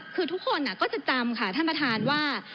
คือทุกคนก็จะจำค่ะท่านประธานว่า